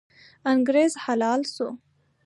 انګریز حلال سو.